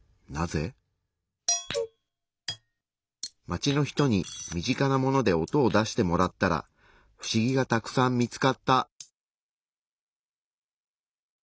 街の人に身近なもので音を出してもらったらふしぎがたくさん見つかった。